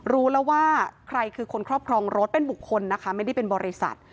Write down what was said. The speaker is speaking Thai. รู้แล้วว่าใครคือคนครอบครองรถเป็นบุคคลนะคะไม่ได้เป็นบริษัท